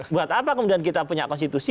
buat apa kemudian kita punya konstitusi